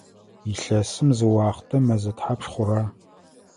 Илъэсым изы уахътэ мэзэ тхьапш хъура?